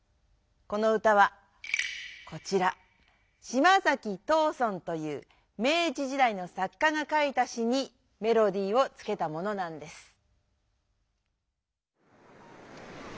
この歌はこちら島崎藤村という明治時代の作家が書いた詩にメロディーをつけたものなんです。